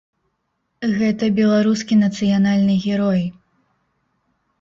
Гэта беларускі нацыянальны герой.